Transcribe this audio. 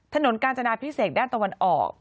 ถนนกาญจนาพิเศษด้านตะวันออก